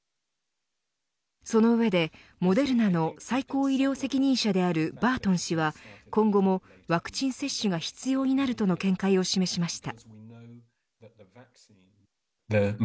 その上で、モデルナの最高医療責任者であるバートン氏は今後もワクチン接種が必要になるとの見解を示しました。